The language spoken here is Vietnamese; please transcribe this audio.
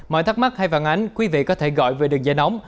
mời thắc mắc hay phản ánh quý vị có thể gọi về đường dài nóng